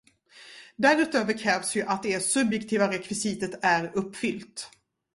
Därutöver krävs ju att det subjektiva rekvisitet är uppfyllt.